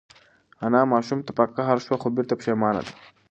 انا ماشوم ته په قهر شوه خو بېرته پښېمانه ده.